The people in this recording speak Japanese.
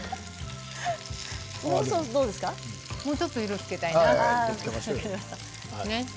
もうちょっと色をつけたいな。